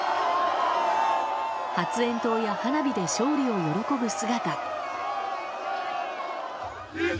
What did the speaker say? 発煙筒や花火で勝利を喜ぶ姿。